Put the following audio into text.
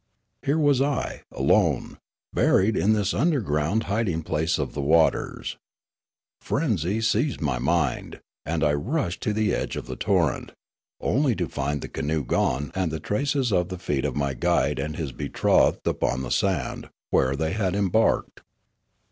Here was I, alone, buried in this underground hiding place of the waters. Frenzy seized my mind, and I rushed to the edge of the torrent, only to find the canoe gone and the traces of the feet of my guide and his be trothed upon the sand, where they had embarked.